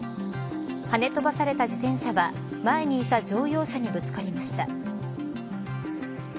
はね飛ばされた自転車は前にいた乗用車にぶつかりました。